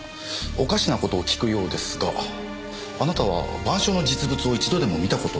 おかしなことを訊くようですがあなたは『晩鐘』の実物を一度でも見たことはありますか？